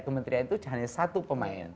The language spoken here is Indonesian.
kementerian itu hanya satu pemain